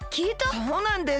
そうなんです！